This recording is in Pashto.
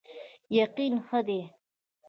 یقین ښه دی.